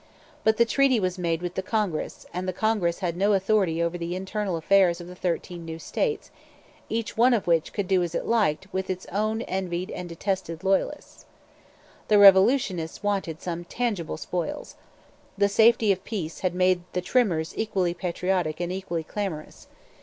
But the treaty was made with the Congress; and the Congress had no authority over the internal affairs of the thirteen new states, each one of which could do as it liked with its own envied and detested Loyalists. The revolutionists wanted some tangible spoils. The safety of peace had made the trimmers equally 'patriotic' and equally clamorous.